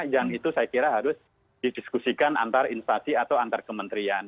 yang itu saya kira harus didiskusikan antar instansi atau antar kementerian